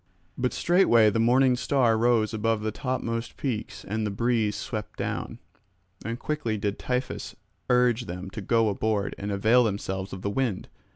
But straightway the morning star rose above the topmost peaks and the breeze swept down; and quickly did Tiphys urge them to go aboard and avail themselves of the wind.